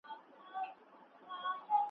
د ټول کلي خلک ماته کړي ښراوي .